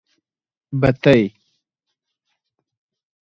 بتۍ.